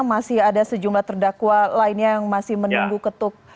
masih ada sejumlah terdakwa lainnya yang masih menunggu ketuk